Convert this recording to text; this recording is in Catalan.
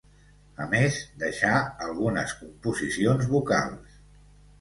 A més, deixà, algunes composicions vocals.